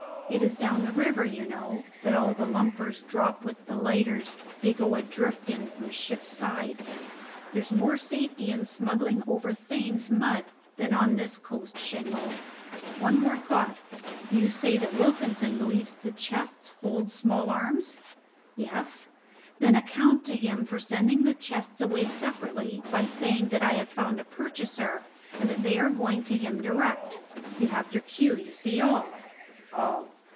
It is down the river, you know, that all the lumpers drop with the lighters they go adrift in from ships' sides. There's more safety in smuggling over Thames mud than on this coast shingle. One thought more: you say that Wilkinson believes the chests hold small arms?" "Yes." "Then account to him for sending the chests away separately by saying that I have found a purchaser, and that they are going to him direct. You have your cue you see all!" "All."